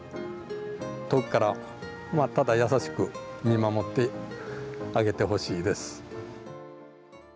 遠くからただ優しく見守ってあげてほしいです。